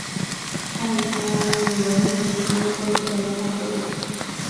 他已前来与内兹珀斯人战斗。